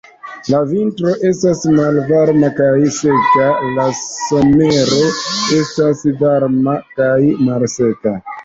La vintro estas malvarma kaj seka, la somero estas varma kaj malseka.